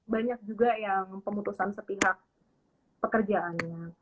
banyak juga yang pemutusan sepihak pekerjaannya